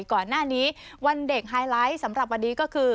ก่อนหน้านี้วันเด็กไฮไลท์สำหรับวันนี้ก็คือ